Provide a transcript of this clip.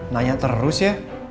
nanya terus ya